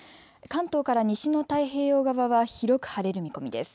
関東から西の太平洋側は広く晴れる見込みです。